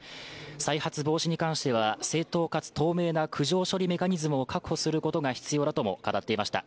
再発防止に関しては、正当かつ透明な苦情処理メカニズムを確保することが必要だとも語っていました。